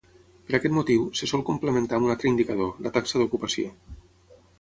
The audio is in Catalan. Per aquest motiu, se sol complementar amb un altre indicador, la taxa d'ocupació.